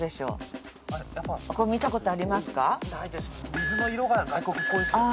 水の色が外国っぽいですよね。